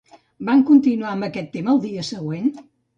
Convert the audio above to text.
Van continuar amb aquest tema al dia següent?